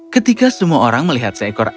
ketika semua orang melihat seekor